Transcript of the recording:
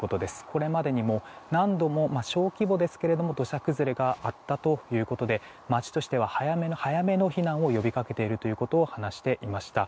これまでにも何度も小規模ですけど土砂崩れがあったということで町としては早め早めの避難を呼び掛けていると話していました。